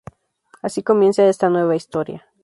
Así comienza esta nueva historia.